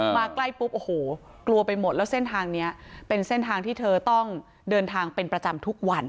ใกล้ปุ๊บโอ้โหกลัวไปหมดแล้วเส้นทางนี้เป็นเส้นทางที่เธอต้องเดินทางเป็นประจำทุกวัน